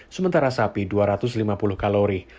sementara sapi dua ratus lima puluh kalori